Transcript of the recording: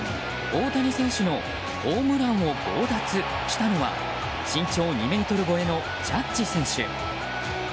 大谷選手のホームランを強奪したのは身長２ｍ超えのジャッジ選手。